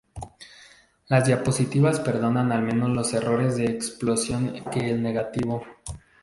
Las diapositivas perdonan menos los errores de exposición que el negativo.